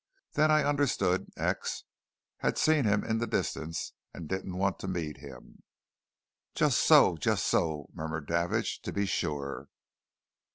Then I understood X. had seen him in the distance, and didn't want to meet him." "Just so, just so," murmured Davidge. "To be sure."